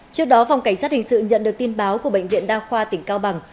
trước đó phòng cảnh sát hình sự nhận được tin báo của bệnh viện đa khoa tỉnh cao bằng